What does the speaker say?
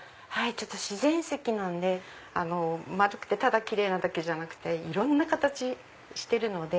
自然石なんで丸くてただキレイなだけじゃなくていろんな形してるので。